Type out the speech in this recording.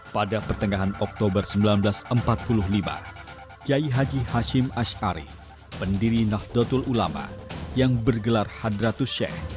pada pertengahan oktober seribu sembilan ratus empat puluh lima kiai haji hashim ⁇ ashari ⁇ pendiri nahdlatul ulama yang bergelar hadratus sheikh